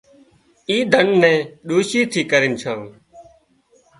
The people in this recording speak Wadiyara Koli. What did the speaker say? اِي ڌنَ ني ڏوشي ٿي ڪرينَ ڇان